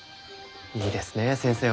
いいですね先生は。